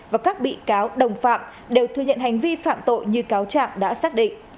và các bị cáo đồng phạm đều thừa nhận hành vi phạm tội như cáo trạng đã xác định